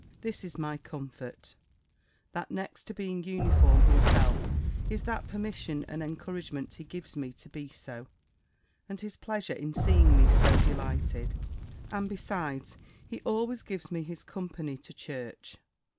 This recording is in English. This is my comfort, that next to being uniform himself, is that permission and encouragement he gives me to be so, and his pleasure in seeing me so delighted and besides, he always gives me his company to church.